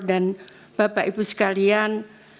dan bapak ibu sekalian